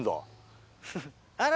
あら！